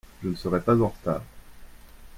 Je ne serai pas en retard.